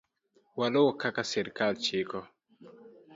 Waluw kaka sirkal chiko